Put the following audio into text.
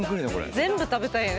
全部食べたいよね。